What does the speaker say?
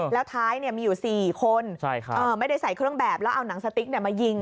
แล้วท้ายมีอยู่๔คนไม่ได้ใส่เครื่องแบบแล้วเอาหนังสติ๊กมายิง